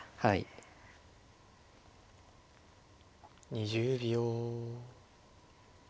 ２０秒。